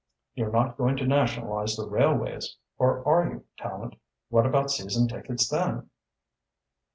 You're not going to nationalise the railways or are you, Tallente; what about season tickets then?"